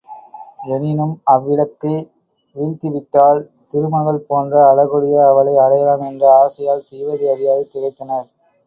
எனினும் அவ்விலக்கை வீழ்த்திவிட்டால் திருமகள் போன்ற அழகுடைய அவளை அடையலாம் என்ற ஆசையால் செய்வது அறியாது திகைத்தனர்.